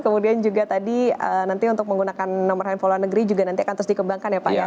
kemudian juga tadi nanti untuk menggunakan nomor handphone luar negeri juga nanti akan terus dikembangkan ya pak ya